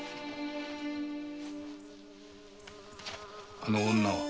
あの女は？